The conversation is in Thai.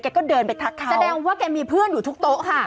แกก็เดินไปทักเขา